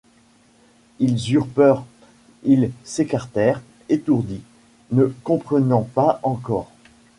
Ils eurent peur, ils s’écartèrent, étourdis, ne comprenant pas encore.